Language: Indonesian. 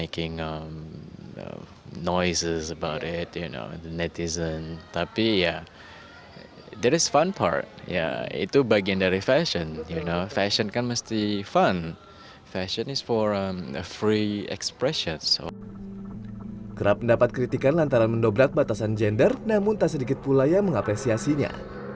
kerap mendapat kritikan lantaran mendobrak batasan gender namun tak sedikit pula yang mengapresiasinya